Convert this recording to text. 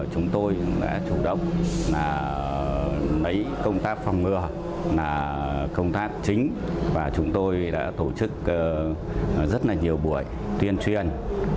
chúng tôi đã chủ động lấy công tác phòng ngừa là công tác chính và chúng tôi đã tổ chức rất là nhiều buổi tuyên truyền